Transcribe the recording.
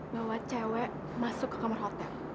bawa cewek masuk ke kamar hotel